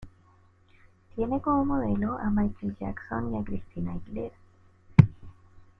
Tiene como modelo a Michael Jackson y a Christina Aguilera.